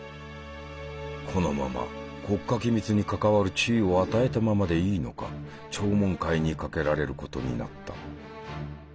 このまま国家機密に関わる地位を与えたままでいいのか聴聞会にかけられることになった。